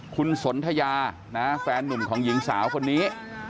คุณสนทยาแฟนนุ่มของหญิงสาวคนนี้